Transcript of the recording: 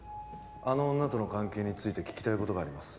あの女との関係について聞きたいことがあります